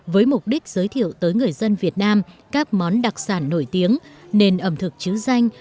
với mục đích giới thiệu tới người dân việt nam các món đặc sản nổi tiếng nền ẩm thực chữ danh